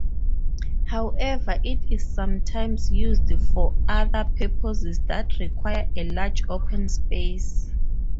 However, it is sometimes used for other purposes that require a large open space.